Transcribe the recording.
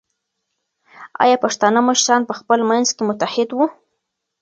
ایا پښتانه مشران په خپل منځ کې متحد وو؟